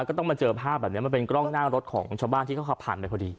ก็ต้องมาเจอภาพแบบนี้มันเป็นกล้องหน้ารถของชาวบ้านที่เขาขับผ่านไปพอดี